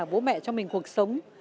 bố mẹ cho mình cuộc sống